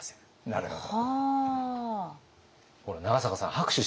なるほど。